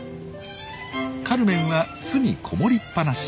カルメンは巣に籠もりっ放し。